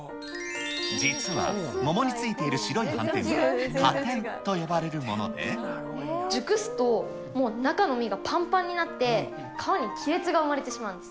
実は、桃についている白い斑点は、熟すと、もう中の実がぱんぱんになって、皮に亀裂が生まれてしまうんです。